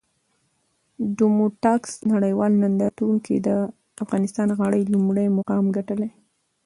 ډوموټکس نړېوال نندارتون کې د افغانستان غالۍ لومړی مقام ګټلی!